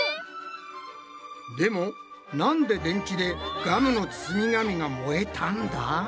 でもなんで電池でガムの包み紙が燃えたんだ？